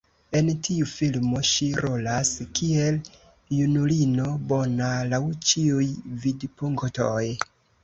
En tiu filmo, ŝi rolas kiel junulino, bona laŭ ĉiuj vidpunktoj.